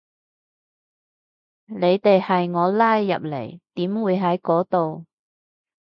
你哋係我拉入嚟，點會喺嗰度